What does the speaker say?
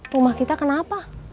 rumah kita kenapa